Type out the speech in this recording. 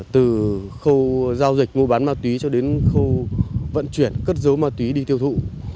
từ khâu giao dịch mua bán ma túy cho đến khâu vận chuyển cất dấu ma túy đi tiêu thụ